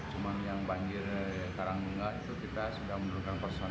cuman yang banjir karangga itu kita sudah menurunkan personil